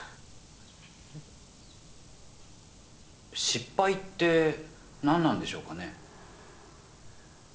失敗って何なんでしょうかね。